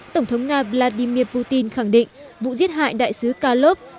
tổng thống nga vladimir putin khẳng định vụ giết hại đại sứ kalov là hành vi gây hấn nhằm phát triển